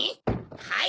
はい！